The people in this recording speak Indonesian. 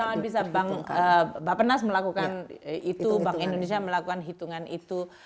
kalau bisa bank bapenas melakukan itu bank indonesia melakukan hitungan itu